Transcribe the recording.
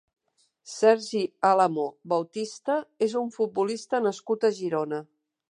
Sergi Álamo Bautista és un futbolista nascut a Girona.